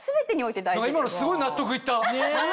今のすごい納得いった！